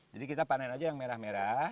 jadi kita panen aja yang merah merah